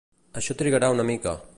Això trigarà una mica.